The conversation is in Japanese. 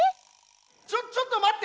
ちょちょっとまって！